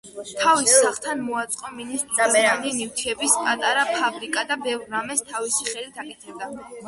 თავის სახლთან მოაწყო მინის წვრილმანი ნივთების პატარა ფაბრიკა და ბევრ რამეს თავისი ხელით აკეთებდა.